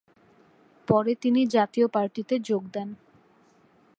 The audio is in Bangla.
পরে তিনি জাতীয় পার্টিতে যোগ দেন।